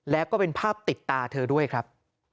แล้วก็เป็นภาพติดตาเธอด้วยครับ